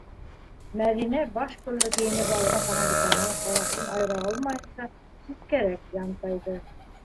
- Мәҙинә башкөллө кейенеп алған Тандысанан ҡарашын айыра алмайынса ситкәрәк янтайҙы.